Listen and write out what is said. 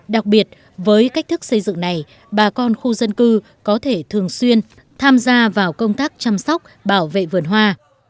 đặc biệt với cách thức xây dựng này bà con khu dân cư có thể thường xuyên tham gia vào công tác chăm sóc bảo vệ vườn hoa